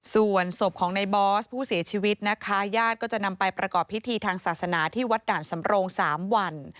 ส่วนศพของในบอสผู้เสียชีวิตนะคะญาติก็จะนำไปประกอบพิธีทางศาสนาที่วัดด่านสำโรง๓วัน